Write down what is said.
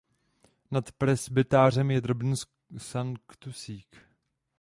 Nad presbytářem je drobný sanktusník.